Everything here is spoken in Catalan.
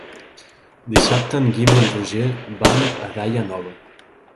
Dissabte en Guim i en Roger van a Daia Nova.